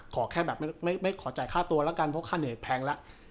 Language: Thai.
ขอแค่แบบไม่ขอจ่ายค่าตัวแล้วกันเพราะค่าเหนื่อยแพงแล้ว